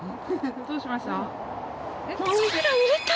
どうしました？